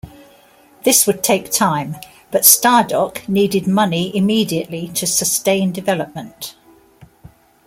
This would take time, but Stardock needed money immediately to sustain development.